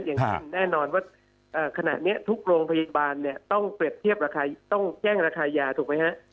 อย่างเช่นแน่นอนว่าขณะนี้ทุกโรงพยาบาลเนี่ยต้องเปรียบเทียบราคาต้องแจ้งราคายาถูกไหมฮะ